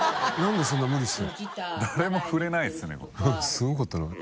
すごかったな。